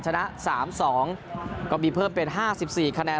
ชนะ๓๒ก็มีเพิ่มเป็น๕๔คะแนน